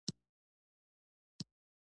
د ویلو لپاره څه نه لرم